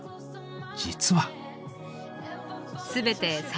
実は。